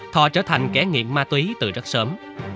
họ trở thành kẻ nghiện ma túy từ rất sớm